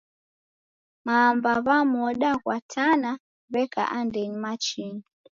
Mamba w'a moda ghwa Tana w'eka andenyi machinyi.